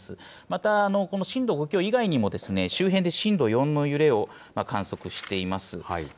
また、震度５強以外にも、周辺で震度４の揺れを観測しています。